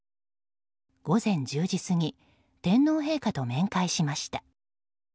午前１０時過ぎ天皇陛下と面会しました。